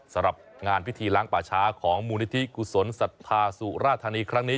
สำหรับงานพิธีล้างป่าช้าของมูลนิธิกุศลศรัทธาสุราธานีครั้งนี้